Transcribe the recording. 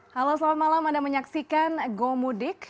halo selamat malam anda menyaksikan go mudik